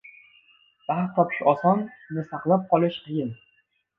• Baxt topish oson, uni saqlab qolish qiyin.